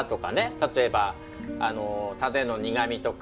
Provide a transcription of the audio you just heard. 例えばタデの苦みとか。